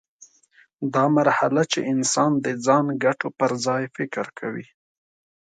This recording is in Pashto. دا مرحله چې انسان د ځان ګټو پر ځای فکر کوي.